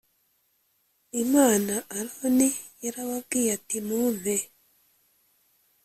Imana aroni yarababwiye ati mumpe